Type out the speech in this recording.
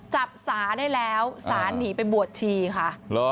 สาได้แล้วสารหนีไปบวชชีค่ะ